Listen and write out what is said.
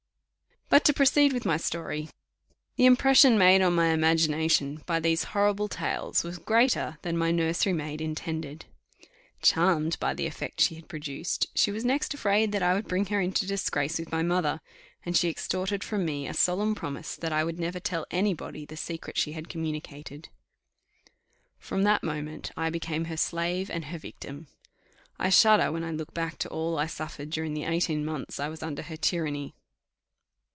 But to proceed with my story. The impression made on my imagination by these horrible tales was greater than my nursery maid intended. Charmed by the effect she had produced, she was next afraid that I should bring her into disgrace with my mother, and she extorted from me a solemn promise that I would never tell any body the secret she had communicated. From that moment I became her slave, and her victim. I shudder when I look back to all I suffered during the eighteen months I was under her tyranny.